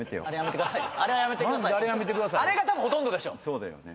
そうだよね。